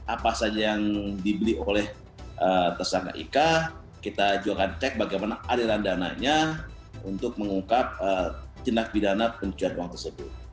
apa saja yang dibeli oleh tersangka ika kita juga akan cek bagaimana aliran dananya untuk mengungkap tindak pidana pencucian uang tersebut